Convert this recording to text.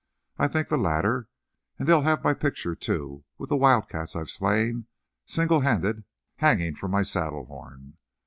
I think the latter. And they'll have my picture, too, with the wild cats I've slain, single handed, hanging from my saddle horn.